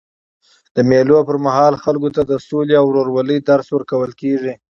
د مېلو پر مهال خلکو ته د سولي او ورورولۍ درس ورکول کېږي.